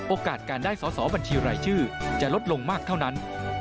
โอกาสการได้สอสอบัญชีรายชื่อจะลดลงมากเท่านั้น